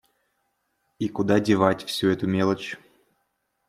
И куда девать всю эту мелочь?